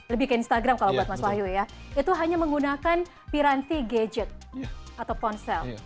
lebih ke instagram kalau buat mas wahyu ya itu hanya menggunakan piranti gadget atau ponsel